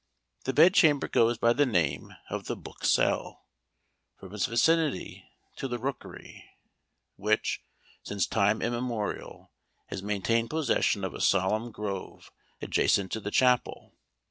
The bedchamber goes by the name of the Book Cell, from its vicinity to the Rookery which, since time immemorial, has maintained possession of a solemn grove adjacent to the chapel.